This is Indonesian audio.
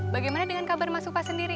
bagaimana dengan kabar mas upah sendiri